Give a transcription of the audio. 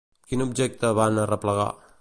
Quin objecte van arreplegar?